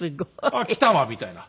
「あっきたわ」みたいな。